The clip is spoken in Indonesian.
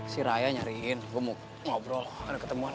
si raya nyariin ngobrol ketemuan